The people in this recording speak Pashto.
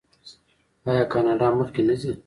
آیا کاناډا مخکې نه ځي؟